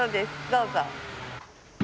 どうぞ。